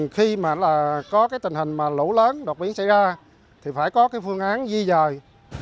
khi mà có tình hình lũ lớn đột biến xảy ra thì phải có phương án di dời